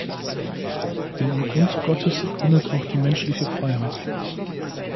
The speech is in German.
Denn im Grund Gottes gründet auch die menschliche Freiheit.